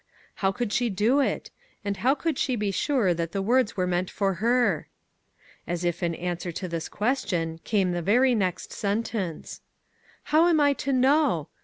How could she do it? And how could she be sure that the words were meant for her? As if in answer to this question, came the very next sentence :" How am I to know